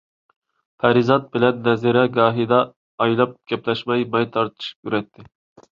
پەرىزات بىلەن نەزىرە گاھىدا ئايلاپ گەپلەشمەي ماي تارتىشىپ يۈرەتتى.